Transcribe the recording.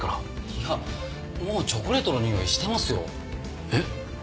いやもうチョコレートのにおいしてますよ。えっ？